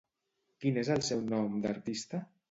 Quin és el seu nom d'artista?